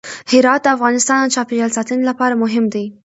هرات د افغانستان د چاپیریال ساتنې لپاره مهم دي.